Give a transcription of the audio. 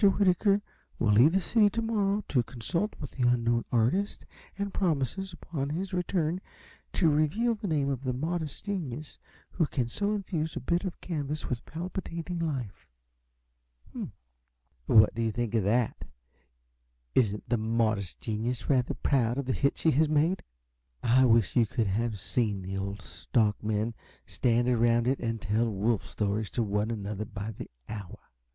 Whitaker will leave the city to morrow to consult the unknown artist, and promises, upon his return, to reveal the name of the modest genius who can so infuse a bit of canvas with palpitating life." "What do you think of that? Isn't the 'modest genius' rather proud of the hit she has made? I wish you could have seen the old stockmen stand around it and tell wolf stories to one another by the hour.